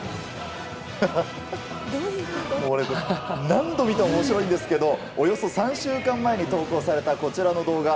何度見ても面白いんですけどおよそ３週間前に投稿されたこちらの動画。